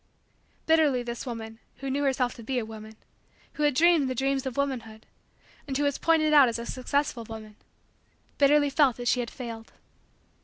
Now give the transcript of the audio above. Bitterly this woman, who knew herself to be a woman, who had dreamed the dreams of womanhood, and who was pointed out as a successful woman bitterly she felt that she had failed.